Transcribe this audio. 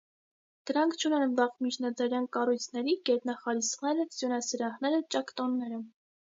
Դրանք չունեն վաղմիջնադարյան կառույցների գետնախարիսխները, սյունասրահները, ճակտոնները։